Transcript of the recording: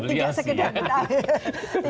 iya itu tidak sekedar betawi